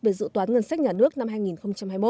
về dự toán ngân sách nhà nước năm hai nghìn hai mươi một